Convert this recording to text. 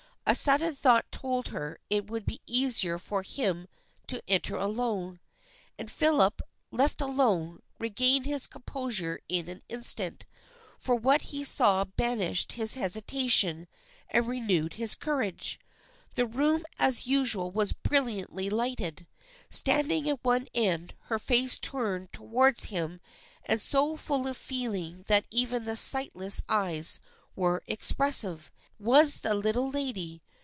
A sudden thought told her it would be easier for him to enter alone. And Philip, left alone, regained his composure in an instant, for what he saw banished his hesita tion and renewed his courage. The room as usual was brilliantly lighted. Standing at one end, her face turned towards him and so full of feeling that even the sightless eyes were expressive, was the Little Lady.